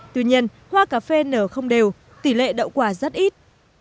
tuy nhiên hoa cà phê nở không đều tỷ lệ đậu quả rất ít